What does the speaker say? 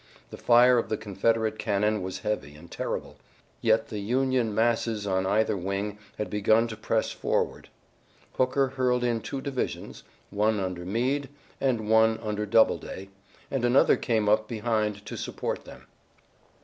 The fire of the Confederate cannon was heavy and terrible, yet the Union masses on either wing had begun to press forward. Hooker hurled in two divisions, one under Meade, and one under Doubleday, and another came up behind to support them.